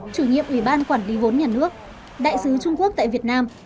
chủ nhiệm ủy ban quản lý vốn nhà nước đại sứ trung quốc tại việt nam